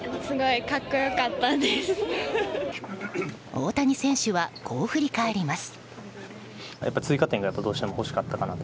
大谷選手はこう振り返ります。